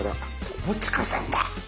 友近さんだ！